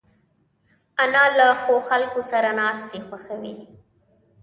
انا له ښو خلکو سره ناستې خوښوي